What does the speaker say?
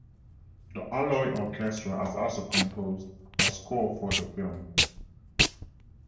The Alloy Orchestra has also composed a score for the film.